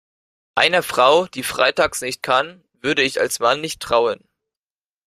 Einer Frau, die Freitags nicht kann, würde ich als Mann nicht trauen.